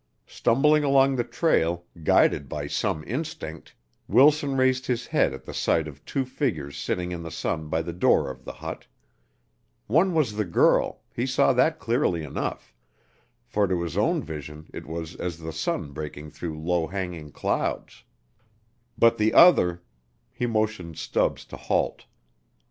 Stumbling along the trail, guided by some instinct, Wilson raised his head at the sight of two figures sitting in the sun by the door of the hut; one was the girl, he saw that clearly enough, for to his own vision it was as the sun breaking through low hanging clouds; but the other he motioned Stubbs to halt.